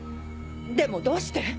でもどうして？